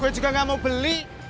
gue juga gak mau beli